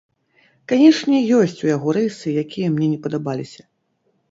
Канечне, ёсць у яго рысы, якія мне не падабаліся.